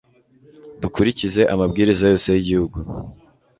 dukurikize amabwiriza yose y'igihugu